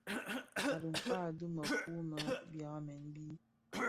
A dhikpaa, bi mëku më byamèn bi.